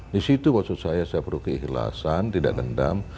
di situ maksud saya saya perlu keikhlasan tidak dendam